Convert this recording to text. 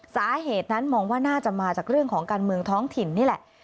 สาเหตุนั้นมองว่าน่าจะมาจากเรื่องของการเมืองท้องถิ่นนี่แหละ